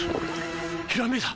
ひらめいた！